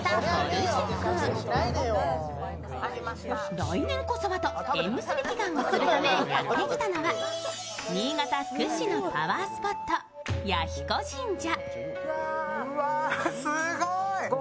来年こそはと縁結び祈願をするためやってきたのは、新潟屈指のパワースポット、彌彦神社。